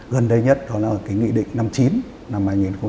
gần đây nhất đó là nghị định năm chín năm hai nghìn một mươi tám